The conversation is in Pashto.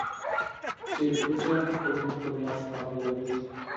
چې د چا خوښه وي نو خپلو ماشومانو له دې